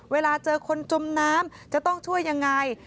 เวลาเจอคนจมน้ำจะต้องช่วยยังไง